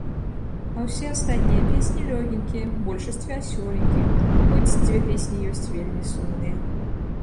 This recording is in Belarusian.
А ўсе астатнія песні лёгенькія, большасць вясёленькіх, хоць, дзве песні ёсць вельмі сумныя.